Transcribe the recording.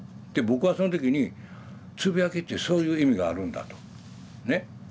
で僕はその時につぶやきってそういう意味があるんだと。ね？